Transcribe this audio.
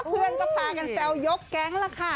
เพื่อนก็พากันแซวยกแก๊งล่ะค่ะ